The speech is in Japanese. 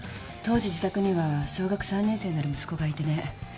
当時自宅には小学３年生になる息子がいてね。